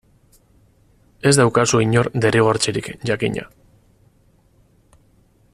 Ez daukazu inor derrigortzerik, jakina.